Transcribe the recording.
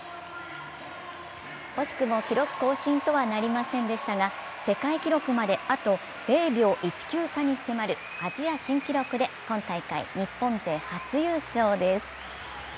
惜しくも記録更新とはなりませんでしたが世界記録まであと０秒１９差に迫るアジア新記録で今大会日本勢初優勝です。